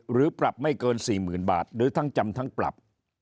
หรือปรับไม่เกิน๔๐๐๐บาทหรือทั้งจำทั้งปรับ